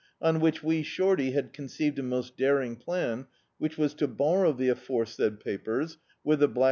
On which Wee Shorty had conceived a most daring plan, which was to borrow the aforesaid papers, with the black D,i.